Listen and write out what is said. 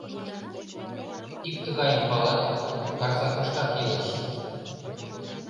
Ик тыгайым палат, Карсакыштак илыш.